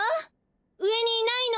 うえにいないの？